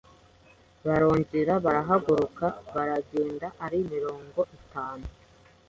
Barongera barahaguruka, baragenda, ari mirongo itanu